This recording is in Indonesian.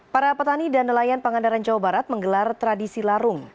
para petani dan nelayan pangandaran jawa barat menggelar tradisi larung